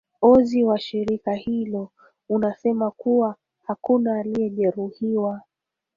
ozi wa shirika hilo unasema kuwa hakuna aliyejeruhiwa